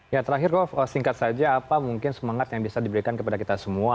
ya terakhir prof singkat saja apa mungkin semangat yang bisa diberikan kepada kita semua